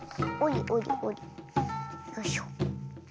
よいしょ。